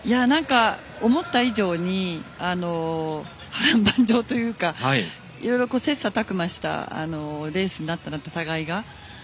思った以上に波乱万丈というかいろいろ切さたく磨したレースになったなと、お互いが。